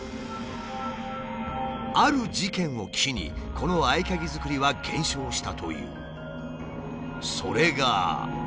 ある事件を機にこの合鍵作りは減少したという。